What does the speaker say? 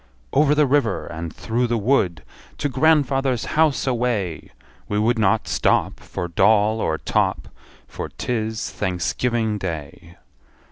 Over the river, and through the wood, To grandfather's house away! We would not stop For doll or top, For 't is Thanksgiving Day.